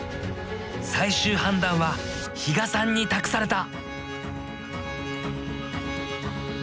最終判断は比嘉さんに託された。